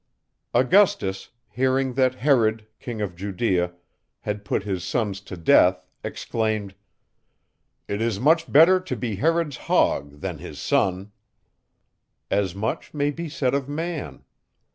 Augustus, hearing that Herod, king of Judea, had put his sons to death, exclaimed: It is much better to be Herod's hog, than his son. As much may be said of man.